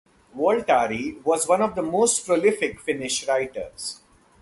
Waltari was one of the most prolific Finnish writers.